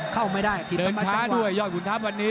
เข้าไม่ได้เดินช้าด้วยยอดขุนทัพวันนี้